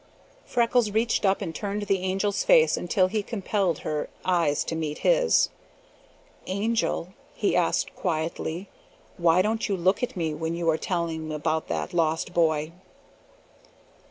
Freckles reached up and turned the Angel's face until he compelled her eyes to meet his. "Angel," he asked quietly, "why don't you look at me when you are telling about that lost boy?"